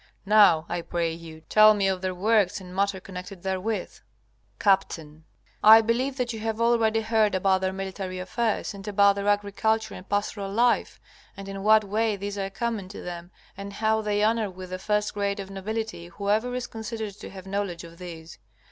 Now, I pray you, tell me of their works and matter connected therewith. Capt. I believe that you have already heard about their military affairs and about their agricultural and pastoral life, and in what way these are common to them, and how they honor with the first grade of nobility whoever is considered to have knowledge of these.